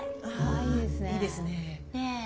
あいいですね。